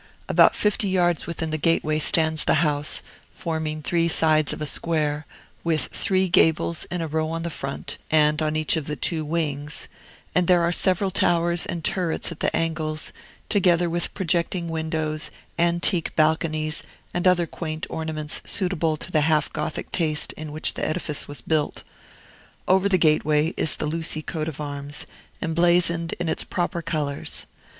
About fifty yards within the gateway stands the house, forming three sides of a square, with three gables in a row on the front, and on each of the two wings; and there are several towers and turrets at the angles, together with projecting windows, antique balconies, and other quaint ornaments suitable to the half Gothic taste in which the edifice was built. Over the gateway is the Lucy coat of arms, emblazoned in its proper colors.